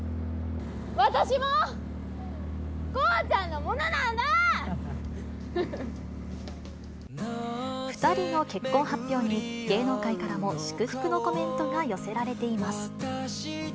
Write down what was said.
私も、２人の結婚発表に、芸能界からも祝福のコメントが寄せられています。